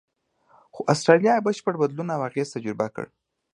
خو استرالیا یې بشپړ بدلون او اغېز تجربه کړ.